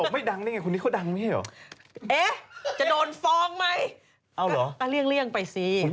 เพราะจะบอกว่าไม่ดังได้ไง